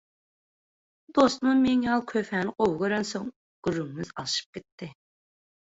Dostumam meň ýaly kofäni gowy görensoň, gürrüňimiz alyşyp gitdi.